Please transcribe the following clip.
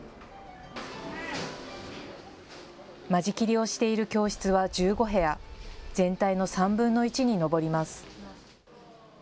間仕切りをしている教室は１５部屋、全体の３分の１に上ります。